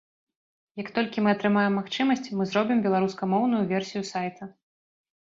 Як толькі мы атрымаем магчымасць, мы зробім беларускамоўную версію сайта.